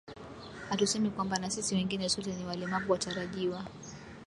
hatusemi kwamba na sisi wengine sote ni walemavu watarajiwa